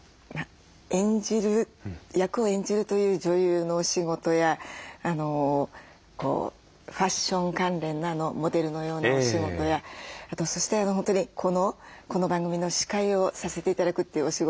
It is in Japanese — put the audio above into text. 演じる役を演じるという女優のお仕事やファッション関連のモデルのようなお仕事やそして本当にこの番組の司会をさせて頂くというお仕事。